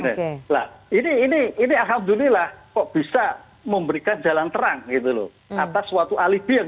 nah ini ini alhamdulillah kok bisa memberikan jalan terang gitu loh atas suatu alibi yang